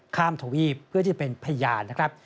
ทวีปเพื่อที่จะเป็นพยานนะครับ